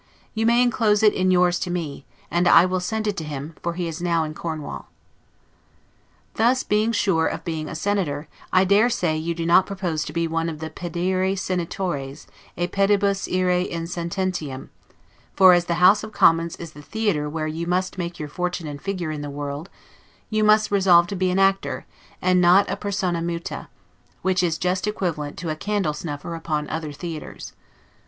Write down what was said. You may inclose it in yours to me, and, I will send it to him, for he is now in Cornwall. Thus, sure of being a senator, I dare say you do not propose to be one of the 'pedarii senatores, et pedibus ire in sententiam; for, as the House of Commons is the theatre where you must make your fortune and figure in the world, you must resolve to be an actor, and not a 'persona muta', which is just equivalent to a candle snuffer upon other theatres.